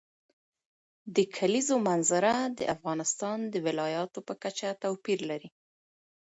د کلیزو منظره د افغانستان د ولایاتو په کچه توپیر لري.